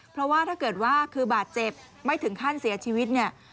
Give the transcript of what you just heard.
เพราะว่าถ้าเกิดว่าคือบาดเจ็บไม่ถึงขั้นเสียชีวิตเนี่ย